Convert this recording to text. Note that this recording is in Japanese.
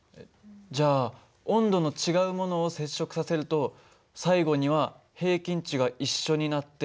じゃあ温度の違うものを接触させると最後には平均値が一緒になって。